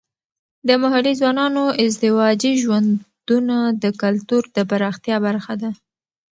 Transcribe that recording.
د محلي ځوانانو ازدواجي ژوندونه د کلتور د پراختیا برخه ده.